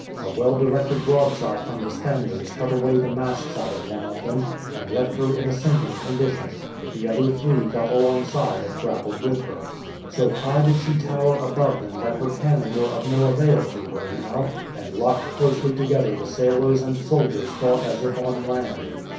A well directed broadside from the Spaniards cut away the masts out of one of them, and left her in a sinking condition. The other three got alongside and grappled with her. So high did she tower above them that her cannon were of no avail to her now, and locked closely together the sailors and soldiers fought as if on land.